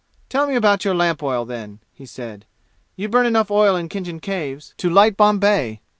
"Tell me about your lamp oil, then," he said. "You burn enough oil in Khinjan Caves to light Bombay!